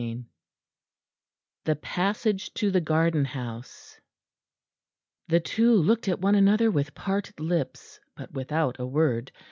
CHAPTER X THE PASSAGE TO THE GARDEN HOUSE The two looked at one another with parted lips, but without a word.